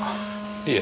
いえ。